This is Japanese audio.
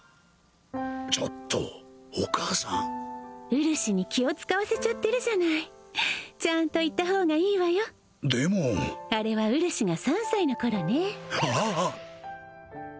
ちょっとお母さんうるしに気を使わせちゃってるじゃないちゃんと言った方がいいわよでもあれはうるしが３歳の頃ねああっ！